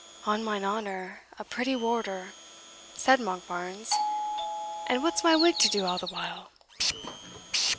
"On mine honour, a pretty warder," said Monkbarns; "and what's my wig to do all the while?"